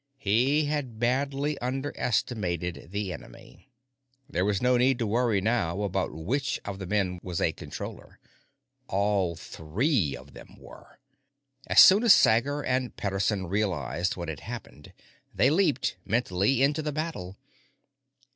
He had badly underestimated the enemy. There was no need to worry, now, about which one of the men was a Controller all three of them were! As soon as Sager and Pederson realized what had happened, they leaped mentally into the battle.